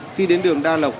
khi đến đường đa lộc